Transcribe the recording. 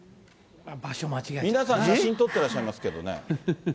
皆さん、写真撮ってらっしゃいますけどね。